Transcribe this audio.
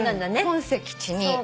本籍地に。